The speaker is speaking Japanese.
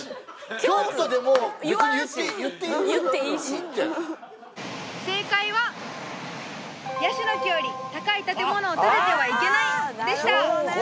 京都でも別に言って言っていいし正解は「ヤシの木より高い建物を建ててはいけない」でした